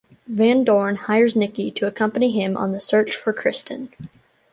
Van Dorn hires Niki to accompany him on the search for Kristen.